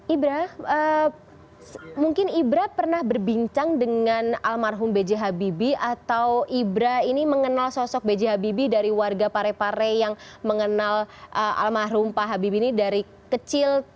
ibrah mungkin ibra pernah berbincang dengan almarhum b j habibie atau ibra ini mengenal sosok b j habibie dari warga parepare yang mengenal almarhum pak habibie ini dari kecil